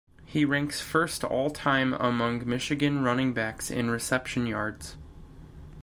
He ranks first all-time among Michigan running backs in reception yards.